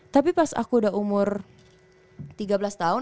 tapi pas aku udah umur tiga belas tahun